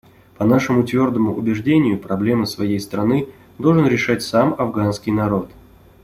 По нашему твердому убеждению, проблемы своей страны должен решать сам афганский народ.